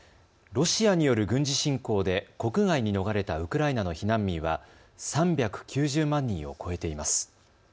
ロシアによる軍事侵攻で国外に逃れたウクライナの避難民は３９０万人を超えています。